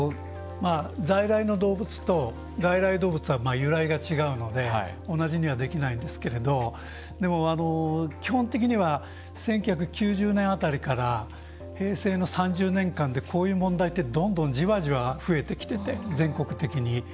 在来の動物と外来動物は由来が違うので同じにはできないんですけれど基本的には１９９０年辺りから平成の３０年間でこういう問題って、どんどんじわじわ増えてきてて、全国的に。